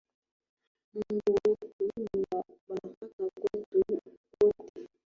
Mungu wetu ni wa baraka kwetu wote